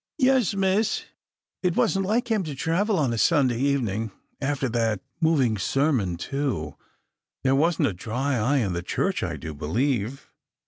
" Yes, miss. It wasn't like him to travel of a Sunday evening — after that moving sermon too ; there wasn't a dry eye in the church, I do believe.